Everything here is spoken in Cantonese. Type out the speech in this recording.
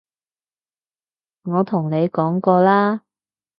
我同你講過啦